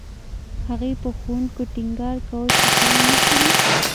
هغې په ښوونکو ټینګار کاوه چې پام وکړي